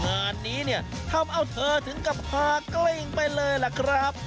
งานนี้เนี่ยทำเอาเธอถึงกับพากลิ้งไปเลยล่ะครับ